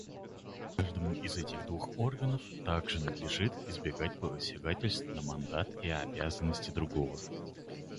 Каждому из этих двух органов также надлежит избегать посягательств на мандат и обязанности другого.